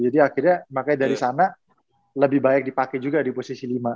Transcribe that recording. jadi akhirnya makanya dari sana lebih baik dipake juga di posisi lima